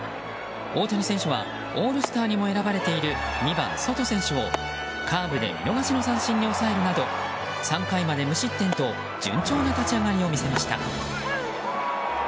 大谷選手はオールスターにも選ばれている２番ソト選手を、カーブで見逃しの三振に抑えるなど３回まで無失点と順調な立ち上がりを見せました。